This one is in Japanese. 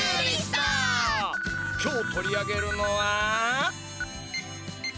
今日取り上げるのは。